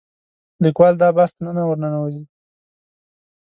لیکوال دا بحث ته نه ورننوځي